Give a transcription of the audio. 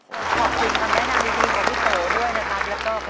ขอบคุณคำแนะนำวิธีของพี่เตอร์ด้วยนะครับ